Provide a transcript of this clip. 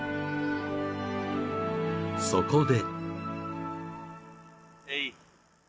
［そこで］